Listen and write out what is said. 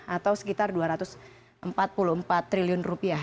atau sekitar dua ratus empat puluh empat triliun rupiah